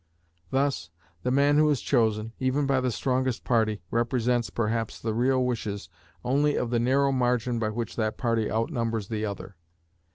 Thus, the man who is chosen, even by the strongest party, represents perhaps the real wishes only of the narrow margin by which that party outnumbers the other.